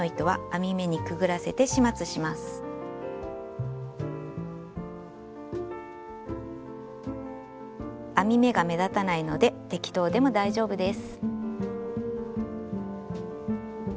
編み目が目立たないので適当でも大丈夫です。